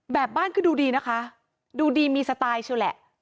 แบบบ้านก็ดูดีนะคะดูดีมีสไตล์เชียวแหละ